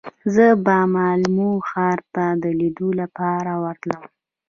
زه به مالمو ښار ته د لیدو لپاره ورتلم.